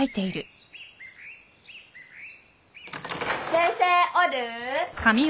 ・・先生おる？